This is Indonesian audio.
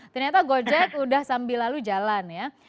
ternyata gojek udah sambil lalu jalan ya